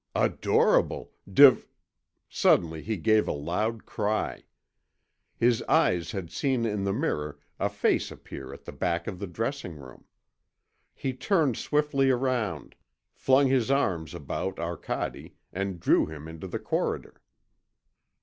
"Adorable ... div " Suddenly he gave a loud cry. His eyes had seen in the mirror a face appear at the back of the dressing room. He turned swiftly round, flung his arms about Arcade, and drew him into the corridor.